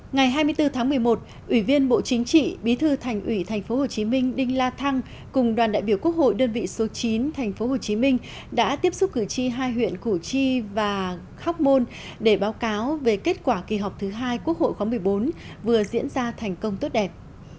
ngày hai mươi bốn tháng một mươi một ủy viên bộ chính trị bí thư thành ủy tp hcm đinh la thăng cùng đoàn đại biểu quốc hội đơn vị số chín tp hcm đã tiếp xúc cử tri hai huyện củ chi và khóc môn để báo cáo về kết quả kỳ họp thứ hai quốc hội khóa một mươi bốn vừa diễn ra thành công tốt đẹp